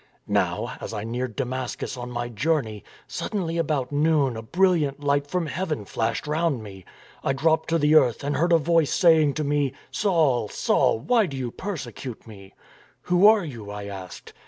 " Now, as I neared Damascus on my journey, sud denly about noon a brilliant light from heaven flashed round me. I dropped to the earth and heard a voice saying to me, ' Saul, Saul, why do you persecute Me?' "' Who are you ?' I asked.